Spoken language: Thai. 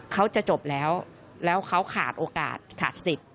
เขาจะจบแล้วแล้วเขาขาดโอกาสขาดสิทธิ์